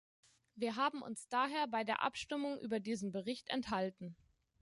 Wir haben uns daher bei der Abstimmung über diesen Bericht enthalten.